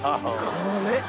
これ。